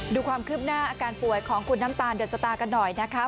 ดูความคืบหน้าอาการป่วยของคุณน้ำตาลเดอะสตากันหน่อยนะคะ